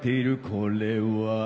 これは。